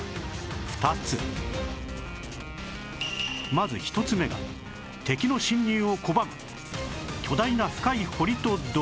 まず１つ目が敵の侵入を拒む巨大な深い堀と土塁